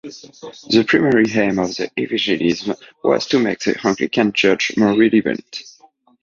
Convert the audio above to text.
The primary aim of this evangelism was to make the Anglican Church more relevant.